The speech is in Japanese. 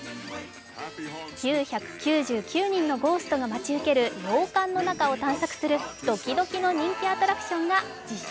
９９９人のゴーストが待ち受ける洋館の中を探索するドキドキの映画が誕生。